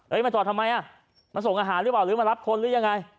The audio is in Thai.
มาจอดทำไมอ่ะมาส่งอาหารหรือเปล่าหรือมารับคนหรือยังไง